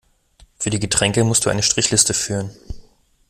Für die Getränke muss du eine Strichliste führen.